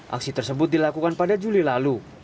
aksi tersebut dilakukan pada juli lalu